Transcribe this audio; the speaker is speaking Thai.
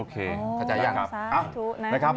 โอเคคัตยายังครับ